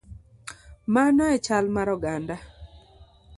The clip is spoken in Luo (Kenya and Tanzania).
Mano e chal mar oganda.